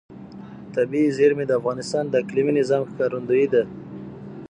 طبیعي زیرمې د افغانستان د اقلیمي نظام ښکارندوی ده.